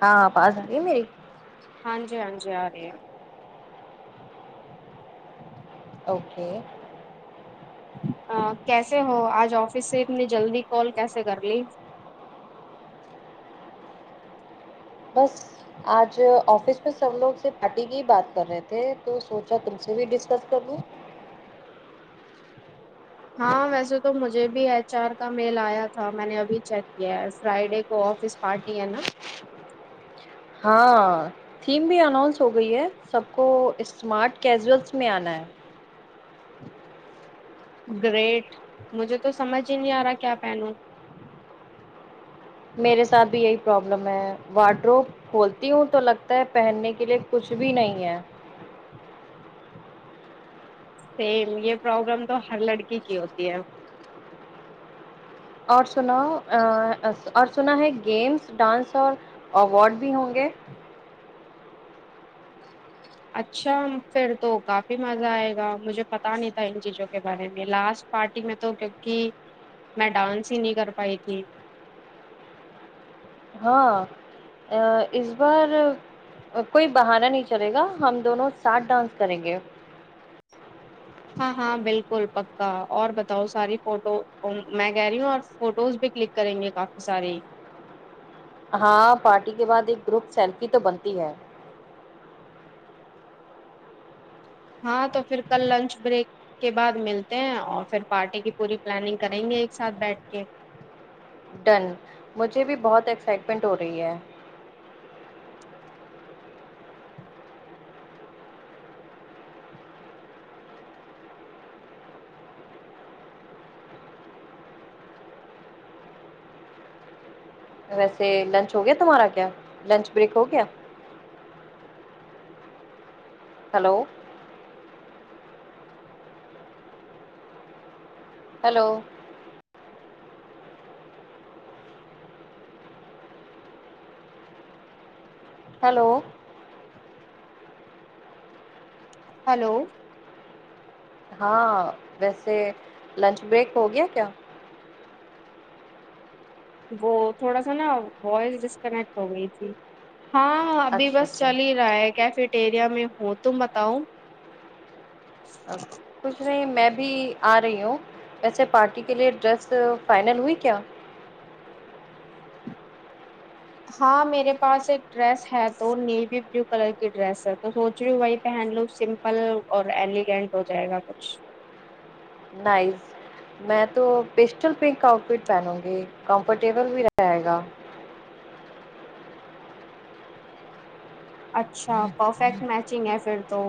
ہاں آواز آرہی ہے میری ہاں جی ہاں جی آ رہی ہے اوکے ہن کیسے ہو آج آفس سے اتنی جلدی کال کیسے کر لی بس آج آفس میں سب لوگ سے پارٹی کی ہی بات کر رہے تھے تو سوچا تم سے بھی ڈسکس کر لوں ہاں ویسے تو مجھے بھی ایچ ار کا میل آیا تھا میں نے ابھی چیک کیا ہے فرائیڈے کو آفس پارٹی ہے نہ ہاں تھیم بھی اننس ہو گئی ہے سب کو اسمارٹ کیزلس میں آنا ہے گریٹ مجھے تو سمجھ ہی نہیں آ رہا کیا پہنوں میرے ساتھ بھی یہی پرابلم ہے واڈرو کھولتی ہوں تو لگتا ہے پہننے کے لیے کچھ بھی نہیں ہے سیم یہ پروگرام تو ہر لڑکی کی ہوتی ہے اور سناؤ اور سنا ہے گیمس ڈانس اور اوارڈ بھی ہوں گے اچھا پھر تو کافی مزہ آئے گا مجھے پتا نہیں تھا ان چیزوں کے بارے میں لاسٹ پارٹی میں تو کیکہ میں ڈانس ہی نہیں کر پائی تھی ہاں ا اس بار کوئی بہانا نہیں چلے گا ہم دونوں ساتھ ڈانس کریں گے ہاں ہاں بالکل پکا اور بتاؤ ساری فوٹو میں کہہ رہی ہوں اور فوٹوز بھی کلک کریں گے کافی ساری ہاں پارٹی کے بعد ایک گروپ سیلفی تو بنتی ہے ہاں تو پھر کل لنچ بریک کے بعد ملتے ہیں اور پھر پارٹی کی پوری پلاننگ کریں گے ایک ساتھ بیٹھ کے ڈن مجھے بھی بہت ایکسائٹمنٹ ہو رہی ہے ویسے لنچ ہو گیا تمہارا کیا لنچ بریک ہو گیا ہیلو ہیلو ہیلو ہیلو ہاں ویسے لنچ بریک ہو گیا کیا وہ تھوڑا سا نا وائس دیس کنیکٹ ہو گئی تھی ہاں ابھی اچھا بس چل اچھا رہا ہے کیفیٹیریا میں ہو تم بتاؤ ا کچھ نہیں میں بھی آ رہی ہوں وییسے پارٹی کے لیے ڈریس فائنل ہوئی کیا ہاں میرے پاس ایک ڈریس ہے تو نیوی بلو کلر کی ڈریس ہے تو سوچ رہی ہوں بی پہن لو سم پل اور ایلیگینٹ ہو جائے گا کچھ نیس میں تو پسٹل پنک آؤٹ فٹ پہنوں گی کمفرٹیبل بھی رہے گا اچھا پرفیکٹ میچنگ ہے پھر تو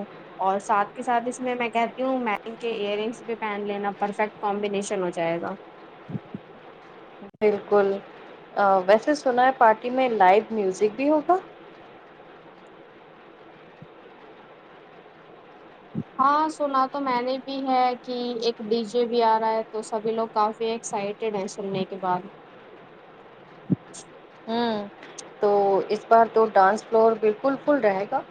اور ساتھ کے ساتھ اس میں کہتی ہوں مم کے ایئر رنگس بھی پہن لینا پرفیکٹ کمبینیشن ہو جائے گا بالکل ویسے سنا ہے پارٹی میں لائیو میوزک بھی ہوگا ہاں سنا تو میں نے بھی ہے کہ ایک ڈی جے بھی آ رہا ہے تو سبھی لوگ کافی ایکسائٹ سننے کے بعد ہوں تو تو اس بار تو ڈانس فلور بالکل فل رہے گا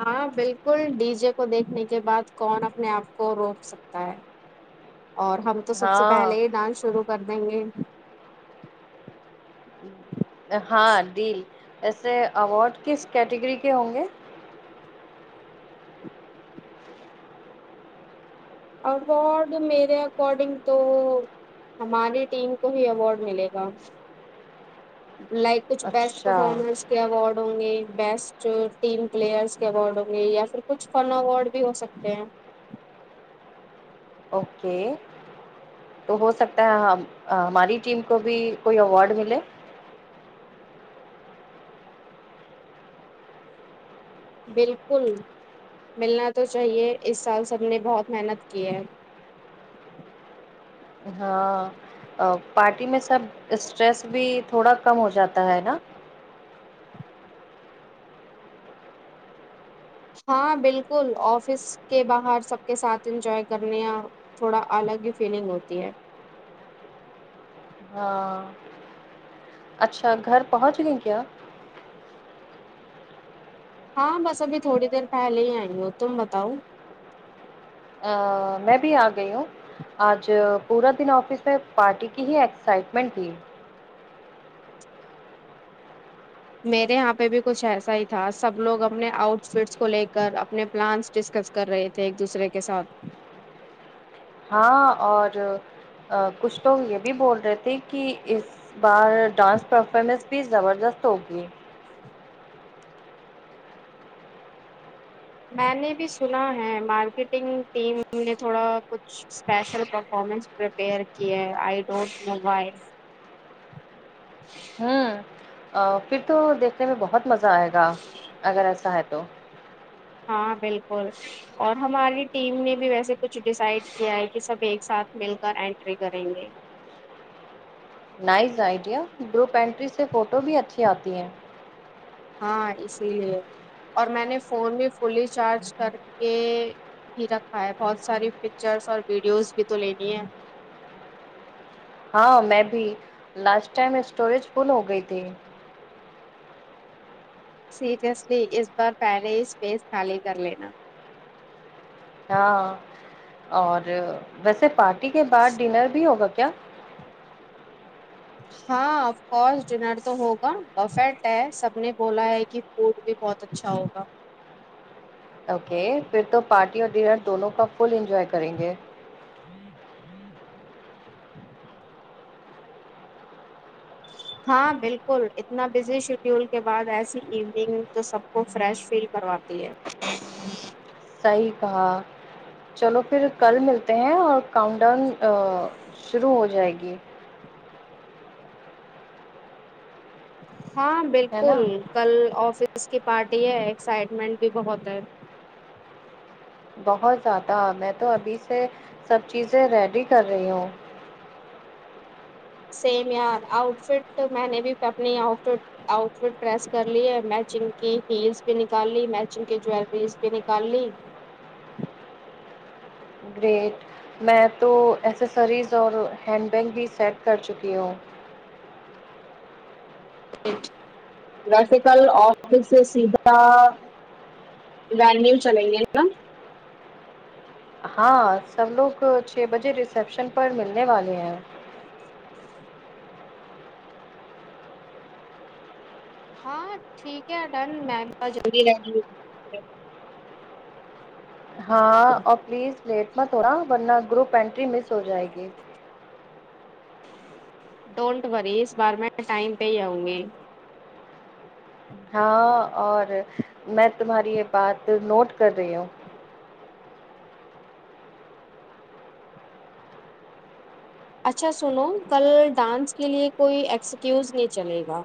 ہاں بالکل ڈی جے کو دیکھنے کے بعد کون اپنے آپ کو روک سکتا ہے اور ہم تو سب سے ہاں پہلے ہی ڈانس شروع کر دیں گے ہاں ڈیل ویسے اوارڈ کس کیٹیگری کے ہوں گے اوارڈ میرے اکارڈنگ تو ہماری ٹیم کو ہی اوارڈ ملے گا لائک کچھ بیسٹ اچھا پرفارمنس کے اوارڈ ہوں گے بیسٹ ٹیم پلیئرس کے اوارڈ ہوں گے یا پھر کچھ فن اوارڈ بھی ہو سکتے ہیں اوکے تو ہو سکتا ہے ہماری ٹیم کو بھی کوئی اوارڈ ملے بالکل ملنا تو چاہیے اس سال سب نے بہت محنت کی ہے ہاں پارٹی میں سب اسٹریس بھی تھوڑا کم ہو جاتا ہے نا ہاں بالکل آفس کے باہر سب کے ساتھ انجوائے کرنےیا تھوڑا الگ ہی فیلنگ ہوتی ہے ہاں اچھا گھر پہنچ گئے کیا ہاں بس ابھی تھوڑی دیر پہلے ہی آئی ہو تم بتاؤ ا میں بھی آ گئی ہوں آج پورا دن آفس میں پارٹی کی ہی ایکسائٹمنٹ تھی میرے یہاں پہ بھی کچھ ایسا ہی تھا سب لوگ اپنے آؤٹ فٹس کو لے کر اپنے پلانس ڈسکس کر رہے تھے ایک دوسرے کے ساتھ ہاں اور کچھ لوگ یہ بھی بول رہے تھے کہ اس بار ڈانس پرفارمنس بھی زبردست ہوگی میں نے بھی سنا ہے مارکیٹنگ ٹیم نے تھوڑا کچھ اسپیشل پرفارمنس پپیئر کیے آئی ڈونٹ نو وہے ہوں آ پھر تو دیکھنے میں بہت مزہ آئے گا اگر ایسا ہے تو ہاں بالکل اور ہماری ٹیم نے بھی ویسے کچھ ڈیسائڈ کیا ہے کہ سب ایک ساتھ مل کر اینٹری کریں گے نائز آئیڈیا گروپ اینٹری سے فوٹو بھی اچھی آتی ہے ہاں اسی لیے اور میں نے فون بھی فلی چارج کر کے ہی رکھا ہے بہت ساری پکچرس اور ویڈیوز بھی تو لینی ہے ہاں میں بھی لاسٹ ٹائم اسٹوریج فل ہو گئی تھی سیریسلی اس بار پہلے ہی اسپیس خالی کر لینا ہاں اور ویسے پارٹی کے بعد ڈنر بھی ہوگا کیا ہاں اف کورس ڈنر تو ہوگا پرفیکٹ ہے سب نے بولا ہے کہ فوڈ بھی بہت اچھا ہوگا اوکے پھر تو پارٹی اور ڈنر دونوں کا فل انجوائے کریں گے ہاں بالکل اتنا بزی شیڈیول کے بعد ایسی ایوننگ تو سب کو فریش فیل کرواتی ہے صحیح کہا چلو پھر کل ملتے ہیں اور کاؤنٹ ڈاؤن شروع ہو جائے گی ہاں ہے بالکل نا کل آفس کی پارٹی ہے ایکسائٹمنٹ بھی بہت ہے بہت زیادہ میں تو ابھی سے سب چیزیں ریڈی کر رہی ہوں سیم یار آؤٹ فٹ میں نے بھی اپنی outfit outfit press کر لی ہے میچنگ کی ہیلز بھی نکال لی میچنگ کی جیلریز بھی نکال لی گریٹ میں تو ایسیسریز اور ہینڈ بیگ بھی سیٹ کر چکی ہوں ویسے کل آفس سے سیدھا برانڈ نیو چلیں گے نا ہاں سب لوگ چھ بجے ریسپشن پر ملنے والے ہیں ہاں ٹھیک ہے ڈن میں [unintelligible] ہاں اور پلیز لیٹ ما تھوڑا ورنہ گروپ انینٹری مس ہو جائے گی ڈونٹ وری اس بار میں ٹائم پہ ہی آؤں گی ہاں اور میں تمہاری یہ بات نوٹ کر رہی ہوں اچھا سنو کل ڈانس کے لیے کوئی ایکسکیوز نہیں چلے گا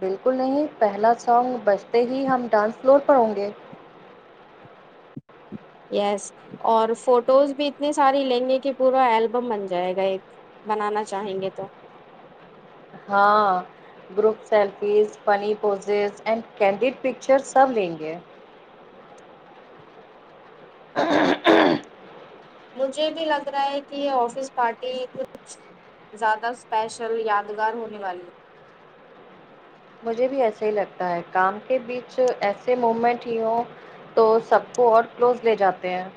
بالکل نہیں پہلا سانگ بجتے ہی ہم ڈانس فلور پر ہوں گے یس اور فوٹوز بھی اتنی ساری لیں گے کہ پورا البم بن جائے گا ایک بنانا چاہیں گے تو ہاں group selfies funny poses and candid picture سب لیں گے [unintelligible] مجھے بھی لگ رہا ہے کہ یہ آفس پارٹی کچھ زیادہ اسپیشل یادگار ہونے والے مجھے بھی ایسا ہی لگتا ہے کام کے بیچ ایسے مومنٹ ہی ہوں تو سب کو اور کلوز لے جاتے ہیں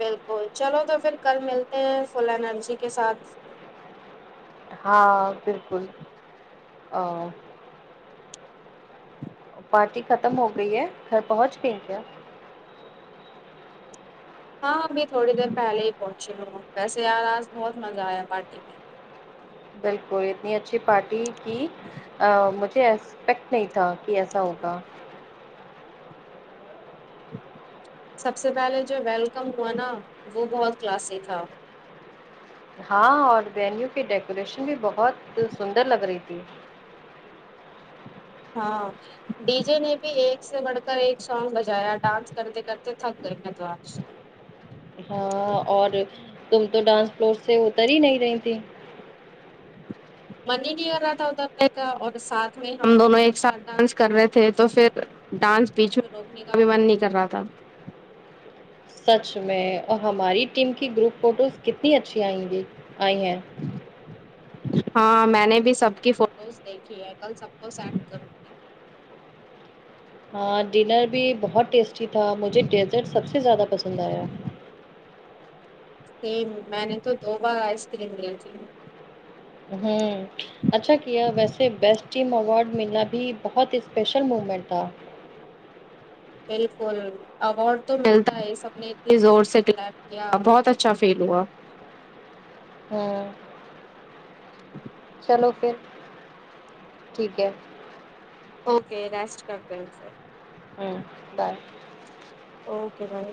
بالکل چلو تو پھر کل ملتے ہیں فل انرجی کے ساتھ ہاں بالکل ا پارٹی ختم ہو گئی ہے گھر پہنچ گئی کیا ہاں ابھی تھوڑی دیر پہلے ہی پہنچی ہوں ویسے یار آج بہت مزہ آیا پارٹی میں بالکل اتنی اچھی پارٹی کی مجھے ایکسپیکٹ نہیں تھا کہ ایسا ہوگا سب سے پہلے جو ویلکم ہوا نا وہ بہت کلاسی تھا ہاں اور وینیو کی ڈیکوریشن بھی بہت سندر لگ رہی تھی ہاں ڈی جے نے بھی ایک سے بڑھ کر ایک سانگ بجایا ڈانس کرتے کرتے تھک گئےمیں تو اج ہاں اور تم تو ڈانس فلور سے اتر ہی نہیں رہی تھی من ہی نہیں کر رہا تھا اور ساتھ میں ہم دونوں ایک ساتھ ڈانس کر رہے تھے تو پھر ڈانس بیچ میں روکنے کا بھی من نہیں کر رہا تھا سچ میں اور ہماری ٹیم کی گروپ فوٹوز کتنی اچھی آئیں گی آئی ہیں ہاں میں نے بھی سب کی فوٹوز دیکھی ہے کل سب کو سینڈ کروں گی ہاں ڈنر بھی بہت ٹیسٹی تھا مجھے ڈیزرٹ سب سے زیادہ پسند آیا سیم میں نے تو دو بار آئس کریم لی تھی ہمم اچھا کیا ویسے بیسٹ ٹیم اوارڈ ملنا بھی بہت اسپیشل مومنٹ تھا بالکل اوارڈ تو ملتا ہے سب نے اتنی زور سے کلاپ کیا بہت اچھا فیل ہوا ھمم چلو پھر ٹھیک ہے اوکے ریسٹ کرتے ہے پھر ہمم بائے اوکے بائے